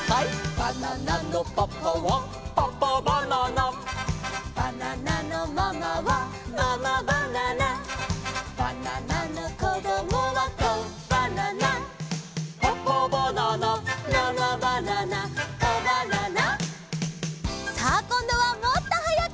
「バナナのパパはパパバナナ」「バナナのママはママバナナ」「バナナのこどもはコバナナ」「パパバナナママバナナコバナナ」